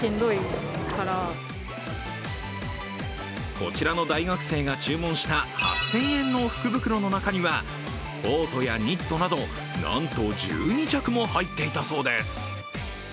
こちらの大学生が注文した８０００円の福袋の中にはコートやニットなどなんと１２着も入っていたそうです。